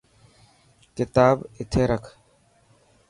ڪتاب اتي رک.